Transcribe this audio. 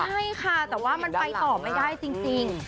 ใช่ค่ะแต่ว่ามันไปต่อไม่ได้จริง